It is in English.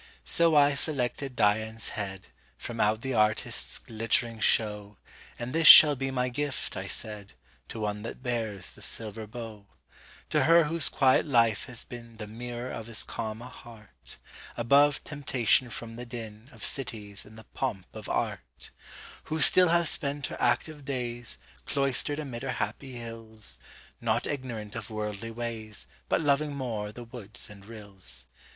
So I selected Dian's headFrom out the artist's glittering show; And this shall be my gift, I said, To one that bears the silver bow; To her whose quiet life has beenThe mirror of as calm a heart, Above temptation from the dinOf cities, and the pomp of art; Who still hath spent her active daysCloistered amid her happy hills, Not ignorant of worldly ways, But loving more the woods and rills.